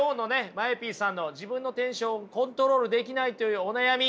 ＭＡＥＰさんの自分のテンションをコントロールできないというお悩み